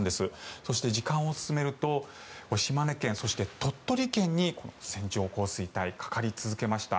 そして時間を進めると島根県、そして鳥取県に線状降水帯、かかり続けました。